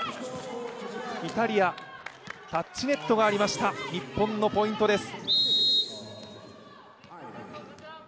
イタリア、タッチネットがありました、日本のポイントです。